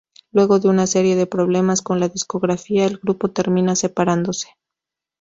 Luego de una serie de problemas con la discográfica, el grupo termina separándose.